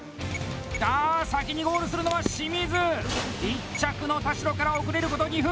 あ、先にゴールするのは清水！１着の田代から遅れること２分！